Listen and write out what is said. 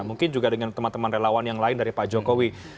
mungkin juga dengan teman teman relawan yang lain dari pak jokowi